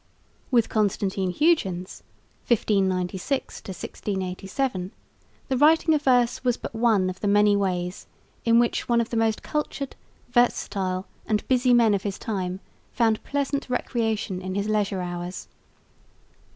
With Constantine Huyghens (1596 1687) the writing of verse was but one of the many ways in which one of the most cultured, versatile, and busy men of his time found pleasant recreation in his leisure hours.